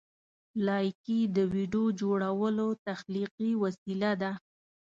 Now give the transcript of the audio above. لایکي د ویډیو جوړولو تخلیقي وسیله ده.